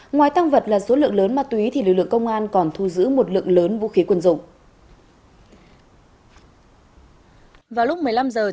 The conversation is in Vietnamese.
ngoài tăng vật là số lượng lớn ma túy thì lực lượng công an còn thu giữ một lượng lớn vũ khí quân dụng